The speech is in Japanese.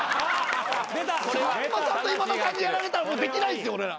さんまさんと今田さんにやられたらもうできないですよ俺ら。